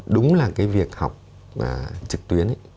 đúng là cái việc học trực tuyến